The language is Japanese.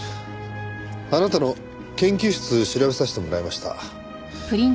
あなたの研究室調べさせてもらいました。